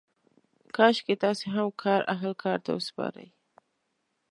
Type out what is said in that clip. کاشکې تاسې هم کار اهل کار ته وسپارئ.